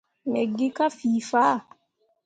Me gi ka fii faa.